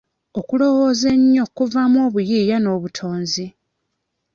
Okulowoza ennyo kuvaamu obuyiiya n'obutonzi.